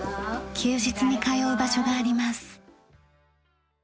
休日に通う場所があります。